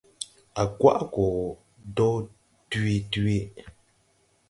A gwaʼ go dɔɔ dwee dwee.